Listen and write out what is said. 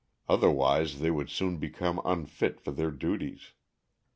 Otherwise they would soon become unfit for their duties.